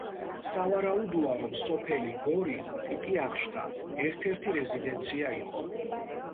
სავარაუდოა რომ სოფელი ბორი პიტიახშთა ერთ–ერთი რეზიდენცია იყო.